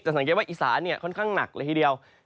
สังเกตว่าอีสานค่อนข้างหนักเลยทีเดียว